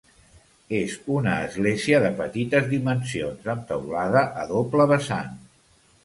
És una església de petites dimensions amb teulada a doble vessant.